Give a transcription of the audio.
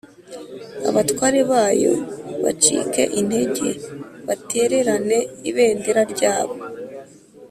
abatware bayo bacike intege, batererane ibendera ryabo.